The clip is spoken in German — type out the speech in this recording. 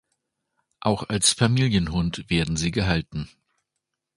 Auch als Familienhund werden sie gehalten.